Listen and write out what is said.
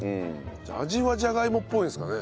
味はジャガイモっぽいんですかね。